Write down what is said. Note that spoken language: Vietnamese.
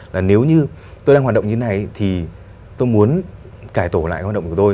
là nếu như tôi đang hoạt động như thế này thì tôi muốn cải tổ lại hoạt động của tôi